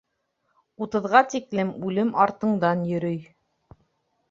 Утыҙға тиклем үлем артыңдан йөрөй